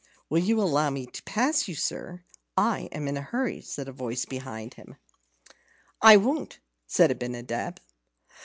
"Will you allow me to pass you, sir? I am in a hurry," said a voice behind him. "I won't," said Abinadab.